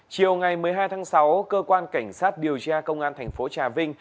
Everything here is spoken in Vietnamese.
chiều ngày một mươi hai tháng sáu cơ quan cảnh sát điều tra công an thành phố trà vinh